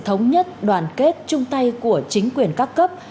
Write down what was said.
sự thống nhất đoàn kết trung tay của chính quyền các cấp